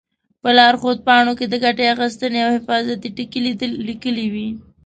په لارښود پاڼو کې د ګټې اخیستنې او حفاظتي ټکي لیکلي وي.